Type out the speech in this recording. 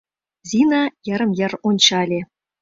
Зина йырым-йыр ончале.